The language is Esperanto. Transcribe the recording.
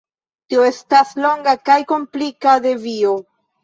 Tio estas longa kaj komplika devio.